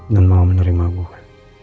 dan mau menerima gue